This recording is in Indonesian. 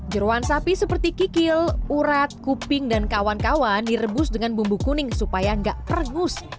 jeruan sapi seperti kikil urat kuping dan kawan kawan direbus dengan bumbu kuning supaya nggak perngus